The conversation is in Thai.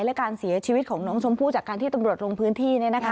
และการเสียชีวิตของน้องชมพู่จากการที่ตำรวจลงพื้นที่